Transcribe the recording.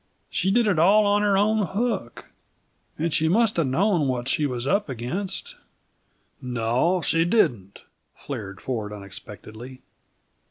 She did it all on her own hook and she must have known what she was up against." "No, she didn't," flared Ford unexpectedly.